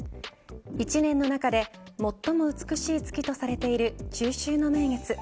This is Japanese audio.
一年の中で最も美しい月とされている中秋の名月。